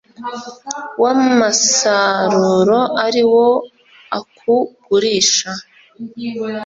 w amasaruro ari wo akugurisha